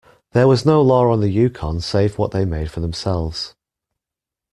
There was no law on the Yukon save what they made for themselves.